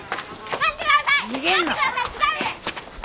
待ってください！